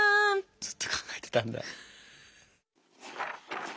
ずっと考えてたんだ？